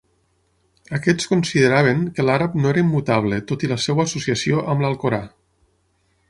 Aquests consideraven que l'àrab no era immutable tot i la seva associació amb l'Alcorà.